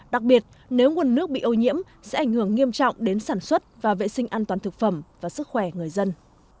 đặc biệt nếu nguồn nước bị ô nhiễm sẽ ảnh hưởng nghiêm trọng đến sản xuất và vệ sinh an toàn thực phẩm và sức khỏe người dân